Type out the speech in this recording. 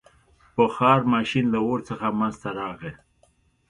• بخار ماشین له اور څخه منځته راغی.